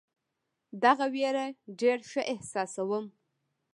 دغه وېره ډېر ښه احساسوم.